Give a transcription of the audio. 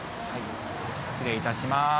失礼いたします。